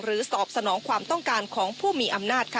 สอบสนองความต้องการของผู้มีอำนาจค่ะ